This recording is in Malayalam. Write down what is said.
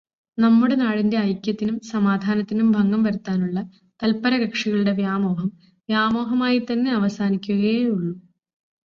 നമ്മുടെ നാടിന്റെ ഐക്യത്തിനും സമാധാനത്തിനും ഭംഗം വരുത്താനുള്ള തല്പരകഷികളുടെ വ്യാമോഹം വ്യാമോഹമായി തന്നെ അവസാനിക്കുകയേ ഉള്ളൂ.